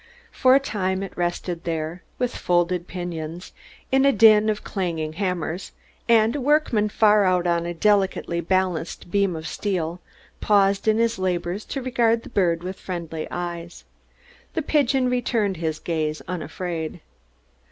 For a time it rested there, with folded pinions, in a din of clanging hammers; and a workman far out on a delicately balanced beam of steel paused in his labors to regard the bird with friendly eyes. The pigeon returned his gaze unafraid.